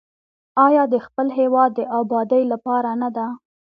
آیا د خپل هیواد د ابادۍ لپاره نه ده؟